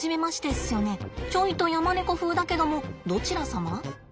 ちょいとヤマネコ風だけどもどちら様？